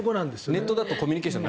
ネットだとコミュニケーションは